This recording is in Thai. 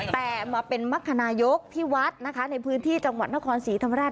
แต่มาเป็นมรรคนายกที่วัดนะคะในพื้นที่จังหวัดนครศรีธรรมราช